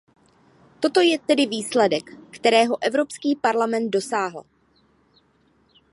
Toto je tedy výsledek, kterého Evropský parlament dosáhl.